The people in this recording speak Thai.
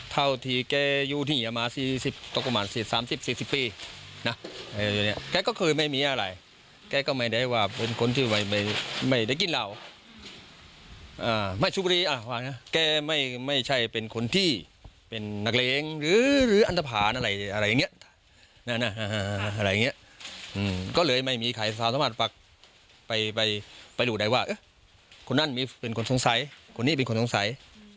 ตอนนี้ขายสถานธรรมดาปรักษ์ไปดูได้ว่าเอ๊ะคนนั้นเป็นคนสงสัยคนนี้เป็นคนสงสัย